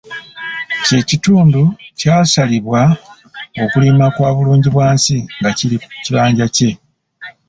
Kye kitundu kyasalirwa okulima kwa bulungibwansi nga kiri ku kibanja kye.